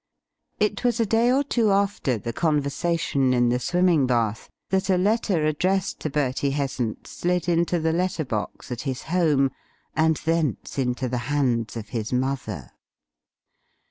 It was a day or two after the conversation in the swimming bath that a letter addressed to Bertie Heasant slid into the letter box at his home, and thence into the hands of his mother.